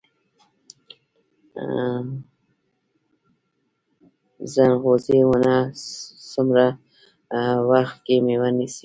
ځنغوزي ونه څومره وخت کې میوه نیسي؟